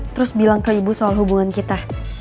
terus bilang ke ibu soal hubungan kita